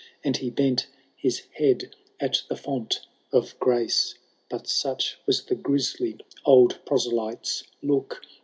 And he bent his head at the font of grace. But such was the grisly old proselyte's look.